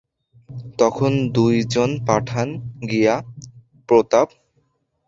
তখন দুই জন পাঠান গিয়া– প্রতাপ।